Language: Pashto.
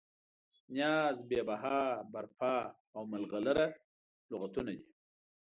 نیاز، بې بها، برپا او ملغلره لغتونه دي.